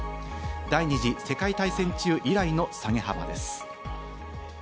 第２次世界大戦中以来の下げ幅です。